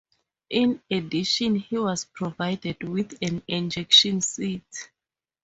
In addition, he was provided with an ejection seat.